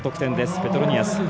ペトロニアス。